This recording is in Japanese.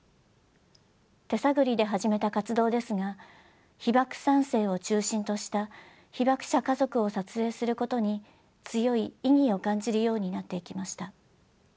手探りで始めた活動ですが被爆三世を中心とした被爆者家族を撮影することに強い意義を感じるようになっていきました。